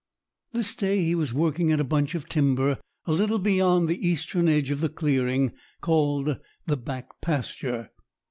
This day he was working at a bunch of timber a little beyond the eastern edge of the clearing, called the "back pasture."